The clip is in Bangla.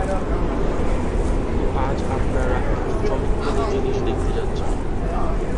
তো, আজ আপনারা কিছু চমকপ্রদ জিনিস দেখতে যাচ্ছেন।